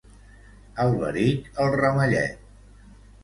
Alberic, el ramellet.